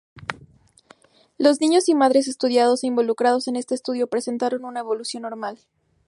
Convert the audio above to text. Los niños y madres estudiados e involucrados en este estudio presentaron una evolución normal.